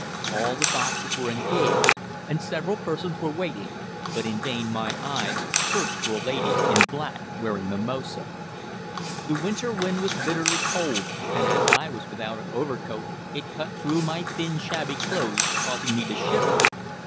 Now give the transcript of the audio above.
All the boxes were engaged, and several persons were waiting, but in vain my eyes searched for a lady in black wearing mimosa. The winter wind was bitterly cold, and as I was without an overcoat it cut through my thin, shabby clothes, causing me to shiver.